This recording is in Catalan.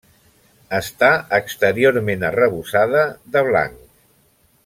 Està exteriorment arrebossada de blanc.